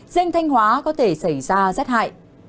dênh thanh hóa có thể xảy ra xét hại